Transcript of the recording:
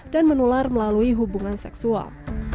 dan menular melalui hubungan seksual